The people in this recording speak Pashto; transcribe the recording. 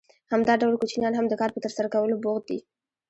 همدا ډول کوچنیان هم د کار په ترسره کولو بوخت دي